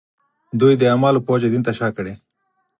دوی د اعمالو په وجه دین ته شا کړي.